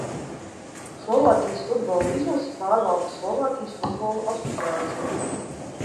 Slovākijas futbola izlasi pārvalda Slovākijas Futbola asociācija.